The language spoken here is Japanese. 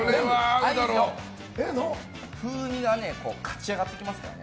風味がかち上がってきますから。